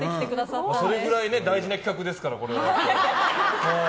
それくらい大事な企画ですからね。